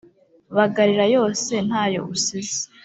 Bagarira yose ntayo usize